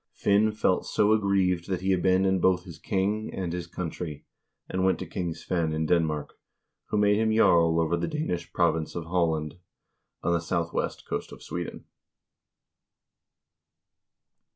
Finn felt so aggrieved that he abandoned both his king and his country, and went to King Svein in Denmark, who made him jarl over the Danish province of Halland, on the southwest coast of Sweden.